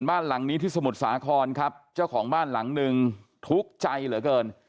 บ้านหลังนี้ที่สมุทรสาครครับเจ้าของบ้านหลังหนึ่งทุกข์ใจเหลือเกิน